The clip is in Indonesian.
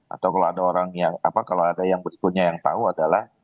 atau kalau ada orang yang apa kalau ada yang berikutnya yang tahu adalah